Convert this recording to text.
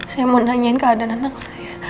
saya mau nanyain keadaan anak saya